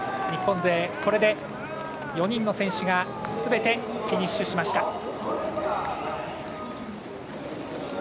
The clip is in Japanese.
日本勢これで４人の選手がすべてフィニッシュしました。